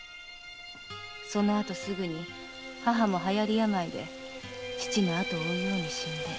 その後すぐに母も流行病で父の後を追うように死んで。